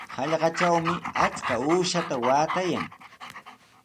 Hallqatrawmi achka uushaata waatayan.